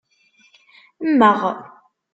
Mmeɣ.